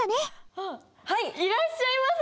あっ「いらっしゃいませ」！